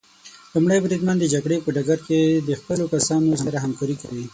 لومړی بریدمن د جګړې په ډګر کې د خپلو کسانو سره همکاري کوي.